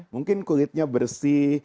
mungkin kulitnya bersih